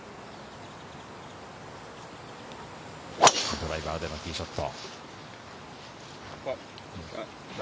ドライバーでのティーショット。